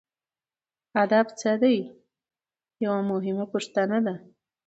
ادب څه دی یوه مهمه پوښتنه ده.